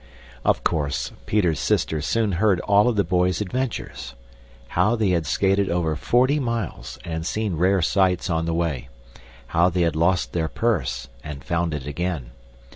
Of course, Peter's sister soon heard all of the boys' adventures. How they had skated over forty miles and seen rare sights on the way; how they had lost their purse and found it again.